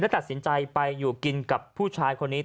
ตัดสินใจไปอยู่กินกับผู้ชายคนนี้